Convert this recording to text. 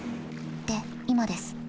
で今です。